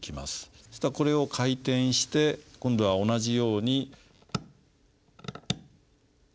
そしたらこれを回転して今度は同じように。